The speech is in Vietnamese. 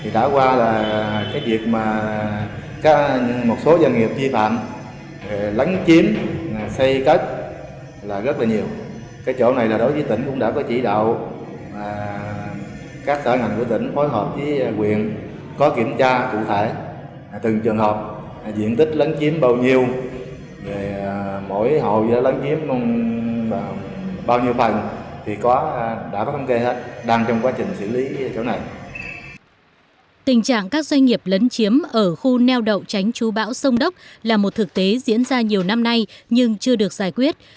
tình trạng các doanh nghiệp lấn chiếm ở khu neo đậu chánh chú bão sông đốc là một thực tế diễn ra nhiều năm nay nhưng chưa được giải quyết